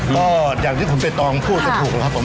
ก็อย่างที่คุณเปรตองพูดก็ถูกครับผม